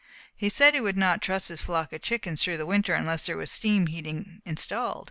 He said he would not trust his flock of chickens through the winter unless there was steam heating installed.